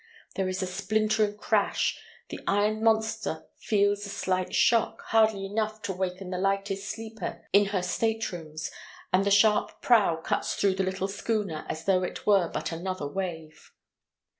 There is a splintering crash, the iron monster feels a slight shock, hardly enough to waken the lightest sleeper in her staterooms, and the sharp prow cuts through the little schooner as though it were but another wave.